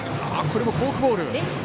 これもフォークボール。